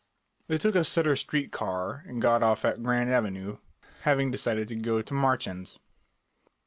They took a Sutter Street car and got off at Grant Avenue, having decided to go to Marchand's.